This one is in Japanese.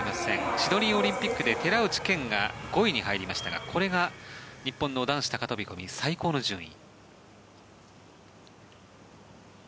シドニーオリンピックで寺内健が５位に入りましたがこれが最高の順位。